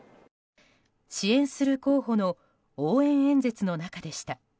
支援する候補の応援演説の中でした。